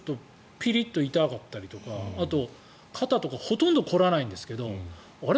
ピリッと痛かったりとかあとは肩とかほとんど凝らないんですけどあれ？